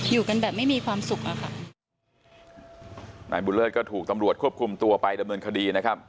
อยู่กันแบบไม่มีความสุขอะค่ะนายบุญเลิศก็ถูกตำรวจควบคุมตัวไปดำเนินคดีนะครับ